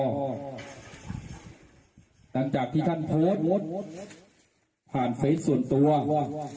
หลังจากที่ท่านโพสต์ผ่านเฟสส่วนตัวว่า